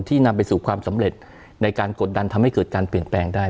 นำไปสู่ความสำเร็จในการกดดันทำให้เกิดการเปลี่ยนแปลงได้